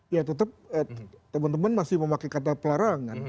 ya tetap teman teman masih memakai kata pelarangan